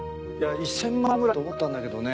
いや１，０００万くらいはと思ったんだけどね